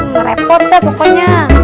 nge repot ya pokoknya